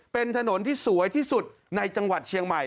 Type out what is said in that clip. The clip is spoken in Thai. เป็นถนนที่สวยที่สุดในจังหวัดเชียงใหม่